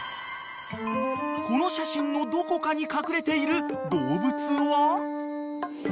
［この写真のどこかに隠れている動物は？］